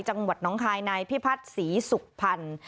จังหวัดน้องคายนายพิพัฒน์ศรีสุขพันธ์